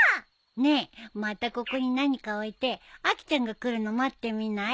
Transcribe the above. ねえまたここに何か置いてアキちゃんが来るの待ってみない？